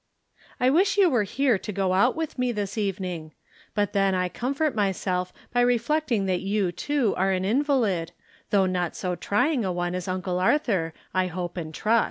I wish you were here to go out with me this evening ; but then I comfort myself by reflecting that you, too, are an invalid, though not so try ing a one as Uncle Arthur, I hope and trust.